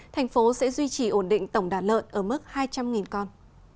thành phố sẽ duy trì ổn định tổng đàn lợn ở mức hai trăm linh con